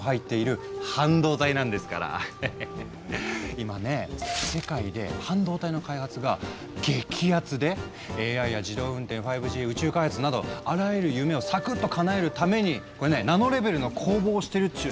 今ね世界で半導体の開発が激アツでＡＩや自動運転５Ｇ宇宙開発などあらゆる夢をサクッとかなえるためにこれねナノレベルの攻防をしてるっちゅう。